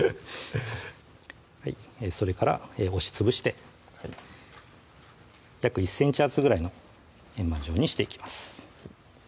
それから押しつぶして約１ｃｍ厚ぐらいの円盤状にしていきます